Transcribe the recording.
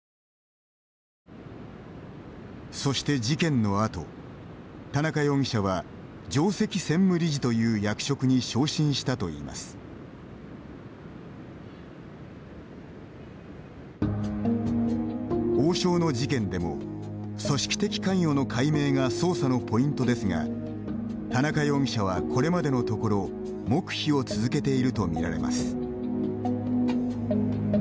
そして事件のあと、田中容疑者は上席専務理事という役職に昇進したといいます。王将の事件でも組織的関与の解明が捜査のポイントですが田中容疑者はこれまでのところ黙秘を続けているとみられます。